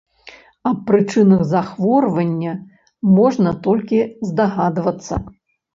Аб прычынах захворвання можна толькі здагадвацца.